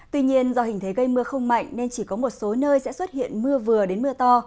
tuy nhiên do hình thế gây mưa không mạnh nên chỉ có một số nơi sẽ xuất hiện mưa vừa đến mưa to